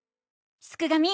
すくがミ！